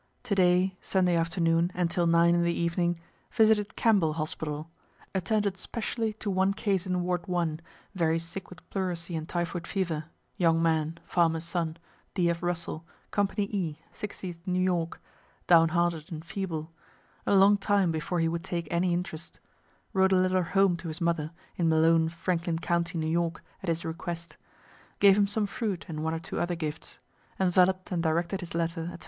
To day, Sunday afternoon and till nine in the evening, visited Campbell hospital; attended specially to one case in ward I, very sick with pleurisy and typhoid fever, young man, farmer's son, D. F. Russell, company E, 60th New York, downhearted and feeble; a long time before he would take any interest; wrote a letter home to his mother, in Malone, Franklin county, N. Y., at his request; gave him some fruit and one or two other gifts; envelop'd and directed his letter, &c.